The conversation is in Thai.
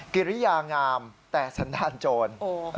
กิริยางามแต่สนานโจร